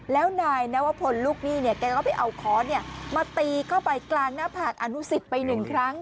แล้วนายนวพลลูกนี่ก็ไปเอาขอดมาตีเข้าไปกลางหน้าผ่านอนุสิตไป๑ครั้ง